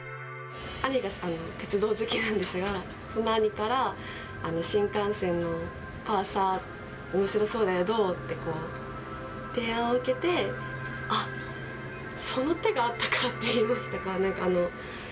兄が鉄道好きなんですが、その兄から、新幹線のパーサー、おもしろそうだよ、どう？って、提案を受けて、あっ、その手があったかっていうか、そういうのを。